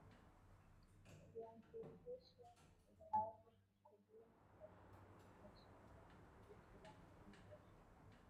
viazilishe vinaweza kuvunwa kwa mutmia vijiti rato au jembe